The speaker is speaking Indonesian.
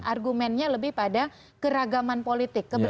argumennya lebih pada keragaman politik